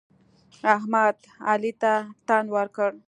احمد؛ علي ته تن ورکړ.